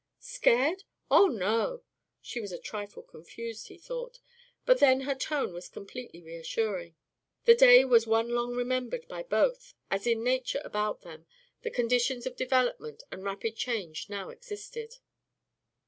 "Scared? Oh, no!" She was a trifle confused, he thought, but then her tone was completely reassuring. The day was one long remembered by both. As in nature about them, the conditions of development and rapid change now existed.